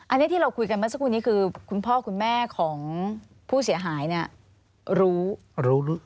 อันนี้ที่เราคุยกันเมื่อสักครู่นี้คือคุณพ่อคุณแม่ของผู้เสียหายเนี่ยรู้รู้